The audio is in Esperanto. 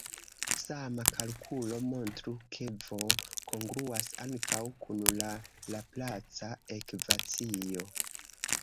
Sama kalkulo montru, ke "v" kongruas ankaŭ kun la laplaca ekvacio.